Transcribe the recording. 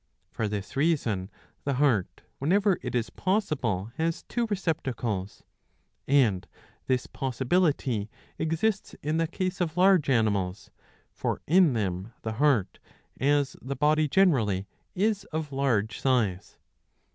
^^ For this reason the heart, whenever it is possible, has two receptacles. And this possibility exists in the case of large animals, for in them the heart, as the body generally, is of large size.